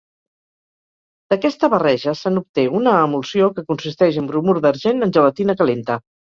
D’aquesta barreja se n’obté una emulsió que consisteix en bromur d’argent en gelatina calenta.